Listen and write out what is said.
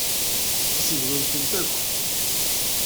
Tseggmem-tent akk.